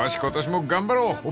今年も頑張ろう］